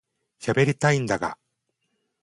しゃべりたいんだが